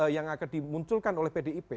yang akan dimunculkan oleh pdip